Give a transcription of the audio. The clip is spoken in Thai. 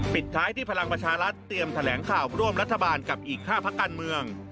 ปิดท้ายที่พลังประชารัฐเตรียมแถลงข่าวร่วมรัฐบาลกับอีก๕พักการเมือง